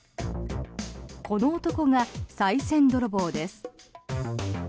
この男がさい銭泥棒です。